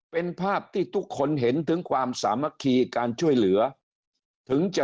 เป็นภาพที่ทุกคนเห็นถึงความสามัคคีการช่วยเหลือถึงจะ